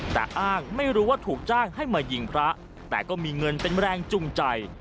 แต่อ้างไม่รู้ว่าถูกจ้างให้มายิงพระแต่ก็มีเงินเป็นแรงจูงใจ